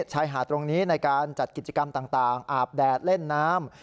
ชายหาดตรงนี้ในการจัดกิจกรรมต่างอาบแดดเล่นน้ำ